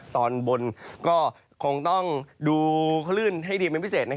ตอนบนก็คงต้องดูคลื่นให้ดีเป็นพิเศษ